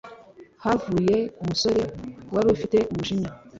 havuye umusore warufite umujinya